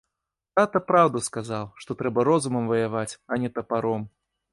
Тата праўду сказаў, што трэба розумам ваяваць, а не тапаром.